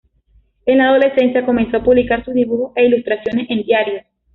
En la adolescencia comenzó a publicar sus dibujos e ilustraciones en diarios.